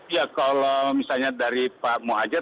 ya kalau misalnya dari pak muhajir